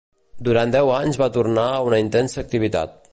Durant deu anys, va tornar a una intensa activitat.